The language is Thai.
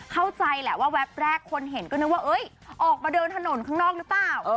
เข้าใจแหละว่าแป๊บแรกคนเห็นก็นึกว่าออกมาเดินถนนข้างนอกหรือเปล่า